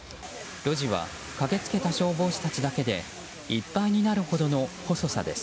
路地は駆けつけた消防士だけでいっぱいになるほどの細さです。